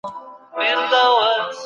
سالم ذهن وخت نه خرابوي.